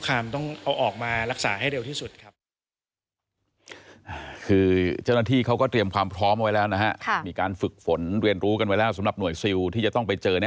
ก็ต้องประเมินก่อนว่าคุกคามไหมถ้าคุกคามต้องเอาออกมารักษาให้เร็วที่สุดครับ